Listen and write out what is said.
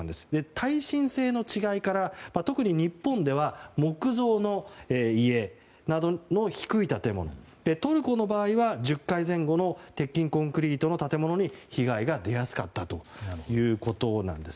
耐震性の違いから特に日本では木造の家などの低い建物トルコの場合は１０階前後の鉄筋コンクリートの建物に被害が出やすかったということです。